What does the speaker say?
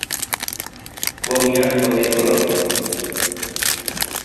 Vou mirar onde as coloco.